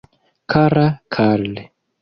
Kara Karl!